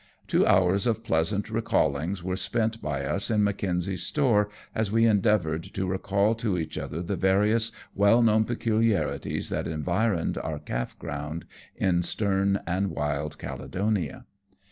Two hours of pleasant recallings were spent by us in Mackenzie's store, as we endeavoured to recall to each other the vnrious well known peculiarities that environed our calf ground in stern and wild Caledonia.